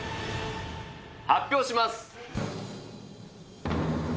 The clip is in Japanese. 発表します。